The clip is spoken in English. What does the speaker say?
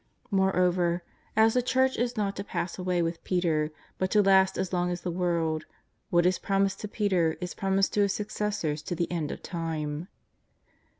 Moreover, as the Church is not to pass away with Peter, but to last as long as the world, w^hat is promised to Peter is promised to his successors to the end of time.